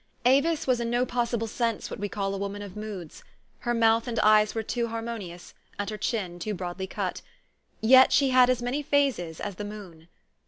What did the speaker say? Avis was in no possible sense what we call a woman of moods : her mouth and eyes were too har monious, and her chin too broadly cut. Yet she had as many phases as the moon.